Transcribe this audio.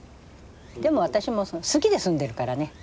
でも私も好きで住んでるからね。